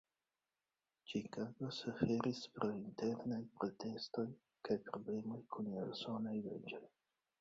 Ĉikago suferis pro internaj protestoj kaj problemoj kun la usonaj leĝoj.